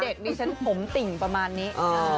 ลำผมติ่งประมาณนี้